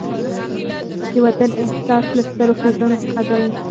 د وطن احساس له سترو ښېګڼو څخه دی.